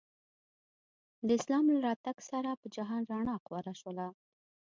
د اسلام له راتګ سره په جهان رڼا خوره شوله.